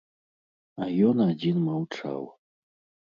А ён адзін маўчаў.